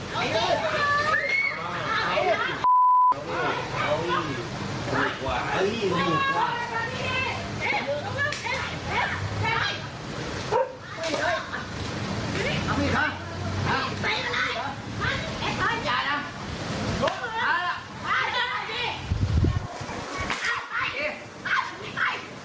มาล่ะมาดีกว่ารอดยิงไอ้งี้ทะเลาะไป